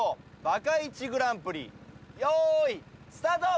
バカ−１グランプリ用意スタート！